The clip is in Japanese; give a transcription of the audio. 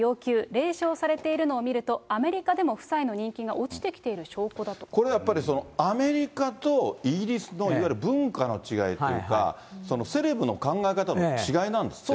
冷笑されているのを見ると、アメリカでも夫妻の人気が落ちてきている証拠だと。これやっぱり、アメリカとイギリスのいわゆる文化の違いっていうか、セレブの考え方の違いなんですってね。